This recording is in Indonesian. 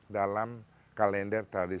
dalam kalender tersebut